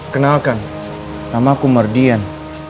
kenalkan nama aku merdian